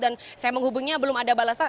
dan saya menghubungnya belum ada balasan